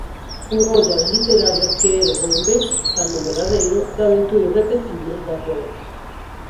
Unha ollada literaria que é o envés, tamén verdadeiro, da aventura irrepetible da poeta.